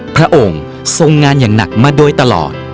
พระองค์ทรงงานอย่างหนักมาโดยตลอด